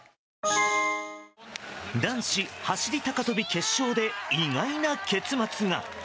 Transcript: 男子走り高跳び決勝で意外な結末が。